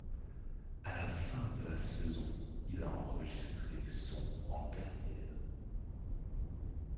À la fin de la saison il a enregistré son en carrière.